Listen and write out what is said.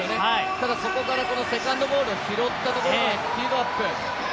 ただ、そこからセカンドボールを拾ったところでスピードアップ。